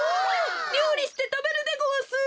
りょうりしてたべるでごわす！